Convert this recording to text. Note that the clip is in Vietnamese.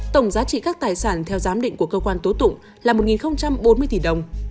tổng giá trị các tài sản theo giám định của cơ quan tố tụng là một bốn mươi tỷ đồng